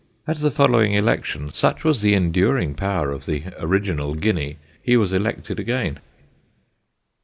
At the following election, such was the enduring power of the original guinea, he was elected again.